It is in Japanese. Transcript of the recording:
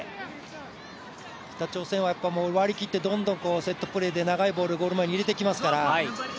北朝鮮は割り切ってセットプレーで長いボールをゴール前に入れてきますから。